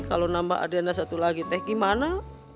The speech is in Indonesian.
kalo nambah adriana satu lagi teh gimana